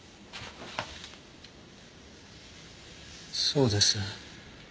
そうです。